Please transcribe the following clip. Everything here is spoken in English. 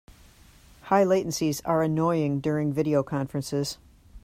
High latencies are annoying during video conferences.